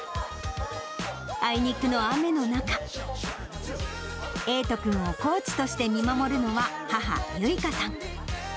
あいにくの雨の中、瑛斗君をコーチとして見守るのは、母、ゆいかさん。